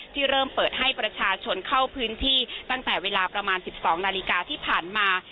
ที่เริ่มเปิดให้ประชาชนเข้าพื้นที่ตั้งแต่เวลาประมาณ๑๒นาฬิกาที่ผ่านมา